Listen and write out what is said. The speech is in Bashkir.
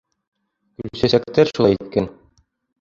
Гөлсәсәктәр шулай иткән.